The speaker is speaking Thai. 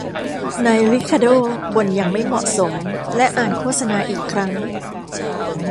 นายริคาร์โด้บ่นอย่างไม่เหมาะสมและอ่านโฆษณาอีกครั้ง